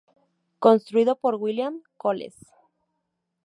Construido por el William Colles.